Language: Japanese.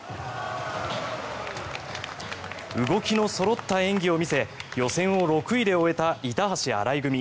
動きのそろった演技を見せ予選を６位で終えた板橋・荒井組。